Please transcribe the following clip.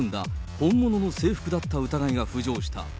本物の制服だった疑いが浮上した。